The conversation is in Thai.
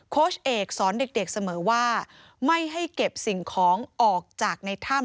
โค้ชเอกสอนเด็กเสมอว่าไม่ให้เก็บสิ่งของออกจากในถ้ำ